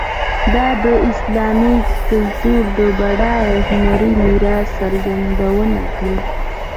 دا د اسلامي کلتور د بډایه هنري میراث څرګندونه کوي.